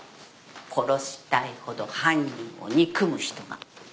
殺したいほど犯人を憎む人が。